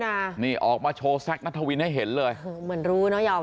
นี่ออกมาโชว์แซคนัทวินให้เห็นเลยเหมือนรู้เนอะยอม